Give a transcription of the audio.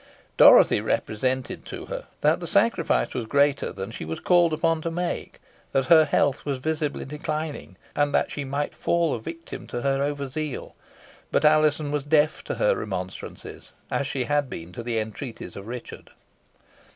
Dorothy represented to her that the sacrifice was greater than she was called upon to make, that her health was visibly declining, and that she might fall a victim to her over zeal; but Alizon was deaf to her remonstrances, as she had been to the entreaties of Richard.